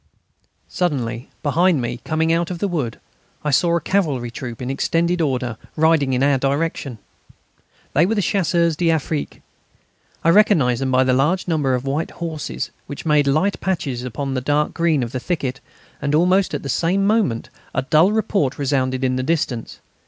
Suddenly, behind me, coming out of the wood, I saw a cavalry troop in extended order, riding in our direction. They were Chasseurs d'Afrique. I recognised them by the large numbers of white horses, which made light patches upon the dark green of the thicket, and almost at the same moment a dull report resounded in the distance.